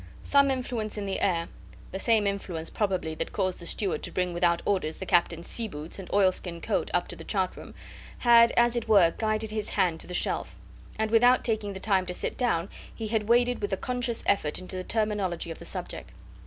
Some influence in the air the same influence, probably, that caused the steward to bring without orders the Captain's sea boots and oilskin coat up to the chart room had as it were guided his hand to the shelf; and without taking the time to sit down he had waded with a conscious effort into the terminology of the subject.